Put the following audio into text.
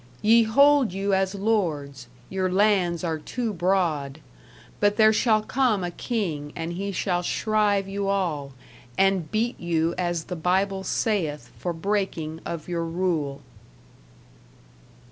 Ye hold you as lords; your lands are too broad, But there shall come a king and he shall shrive you all And beat you as the bible saith for breaking of your Rule.